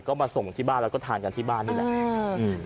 ก็มาส่งที่บ้านแล้วก็ทานกันที่บ้านนี่แหละ